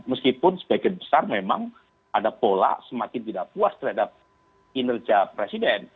meskipun sebagian besar memang ada pola semakin tidak puas terhadap kinerja presiden